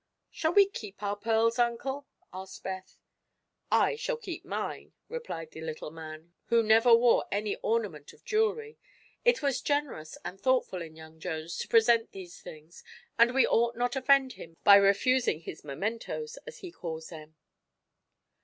"Shall we keep our pearls, Uncle?" asked Beth. "I shall keep mine," replied the little man, who never wore any ornament of jewelry. "It was generous and thoughtful in young Jones to present these things and we ought not offend him by refusing his 'mementos,' as he calls them."